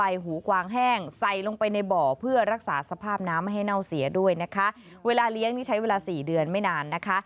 และเน่าเสียด้วยนะคะเวลาเลี้ยงนี่ใช้เวลา๔เดือนไม่นานนะคะ